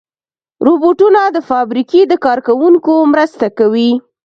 روبوټونه د فابریکې د کار کوونکو مرسته کوي.